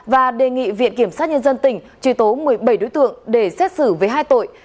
và đề nghị viện kiểm sát nhân dân tỉnh truy tố một mươi bảy đối tượng để xét xử với hai tội